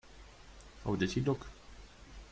How did he look?